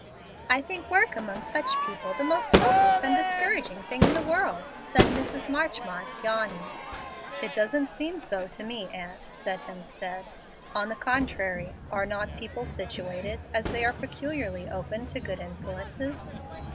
"I think work among such people the most hopeless and discouraging thing in the world," said Mrs. Marchmont, yawning. "It doesn't seem to me so, aunt," said Hemstead. "On the contrary, are not people situated as they are peculiarly open to good influences?